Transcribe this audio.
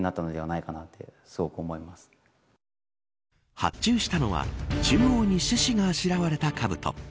発注したのは中央に獅子があしらわれたかぶと。